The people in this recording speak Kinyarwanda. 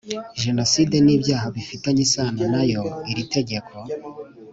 Jenoside n ibyaha bifitanye isano na yo iri tegeko